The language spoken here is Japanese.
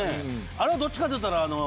あれはどっちかっていったら。